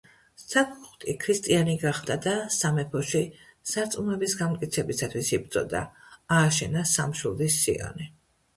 საგდუხტი ქრისტიანი გახდა და სამეფოში სარწმუნოების განმტკიცებისათვის იბრძოდა; ააშენა სამშვილდის სიონი.